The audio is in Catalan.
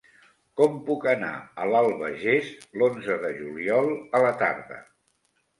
Com puc anar a l'Albagés l'onze de juliol a la tarda?